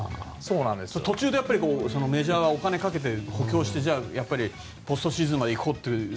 途中でメジャーはお金かけて補強して、ポストシーズンまで行こうと。